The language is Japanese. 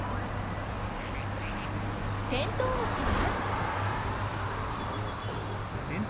テントウムシは？